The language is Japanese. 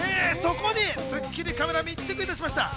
そこに『スッキリ』カメラが密着しました。